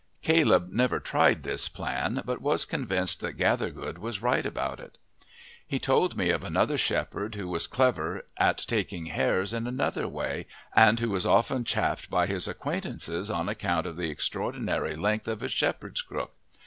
Caleb never tried this plan, but was convinced that Gathergood was right about it. He told me of another shepherd who was clever at taking hares in another way, and who was often chaffed by his acquaintances on account of the extraordinary length of his shepherd's crook.